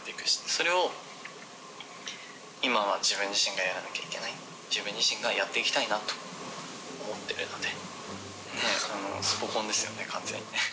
それを今は自分自身がやらなきゃいけない、自分自身がやっていきたいなと思っているので。